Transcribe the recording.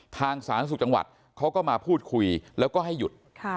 สาธารณสุขจังหวัดเขาก็มาพูดคุยแล้วก็ให้หยุด